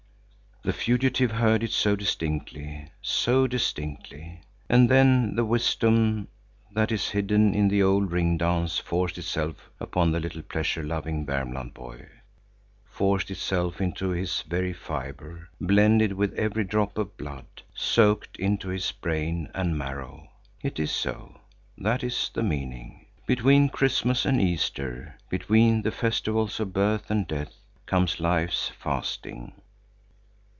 The fugitive heard it so distinctly, so distinctly. And then the wisdom that is hidden in the old ring dance forced itself upon the little pleasure loving Värmland boy, forced itself into his very fibre, blended with every drop of blood, soaked into his brain and marrow. It is so; that is the meaning. Between Christmas and Easter, between the festivals of birth and death, comes life's fasting.